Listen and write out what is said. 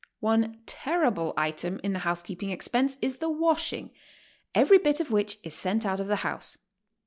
One terrible i'tem in the housekeeping expense is the washing, every bit of which is sent out of the house.